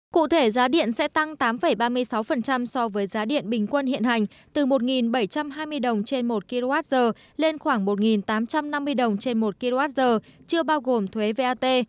cụ thể giá điện sẽ tăng tám ba mươi sáu so với giá điện bình quân hiện hành từ một bảy trăm hai mươi đồng trên một kwh lên khoảng một tám trăm năm mươi đồng trên một kwh chưa bao gồm thuế vat